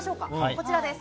こちらです。